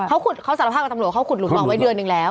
เขาสารภาพกับตำรวจเขาขุดหลุดวางไว้เดือนหนึ่งแล้ว